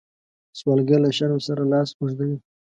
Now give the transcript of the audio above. سوالګر له شرم سره لاس اوږدوي